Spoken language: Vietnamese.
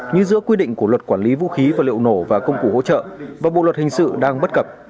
như giữa quy định của luật quản lý vũ khí vật liệu nổ và công cụ hỗ trợ và bộ luật hình sự đang bất cập